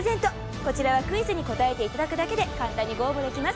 こちらはクイズに答えていただくだけで簡単にご応募できます。